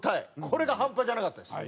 これが半端じゃなかったです。